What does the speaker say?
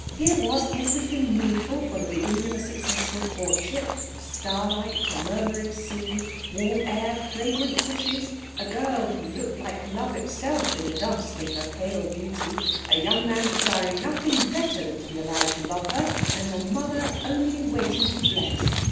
Here was everything needful for the beginning of a successful courtship starlight, a murmuring sea, warm air, fragrant bushes, a girl who looked like Love itself in the dusk in her pale beauty, a young man desiring nothing better than to be allowed to love her, and a mother only waiting to bless.